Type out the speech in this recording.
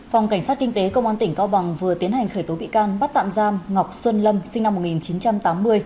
phòng cảnh sát kinh tế công an tỉnh cao bằng vừa tiến hành khởi tố bị can bắt tạm giam ngọc xuân lâm sinh năm một nghìn chín trăm tám mươi